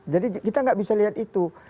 jadi kita nggak bisa lihat itu